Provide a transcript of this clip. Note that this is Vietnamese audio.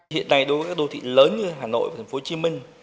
hiện nay đối với các đô thị lớn như hà nội và tp hcm